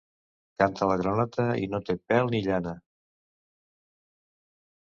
Canta la granota i no té ni pèl ni llana.